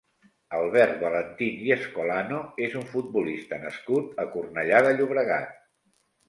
Albert Valentín i Escolano és un futbolista nascut a Cornellà de Llobregat.